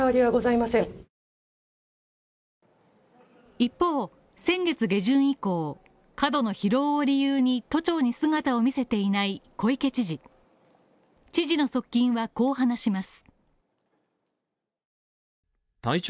一方、先月下旬以降、過度の疲労を理由に都庁に姿を見せていない小池知事知事の側近はこう話します。